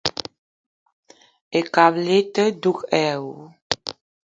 Ekabili i te dug èè àwu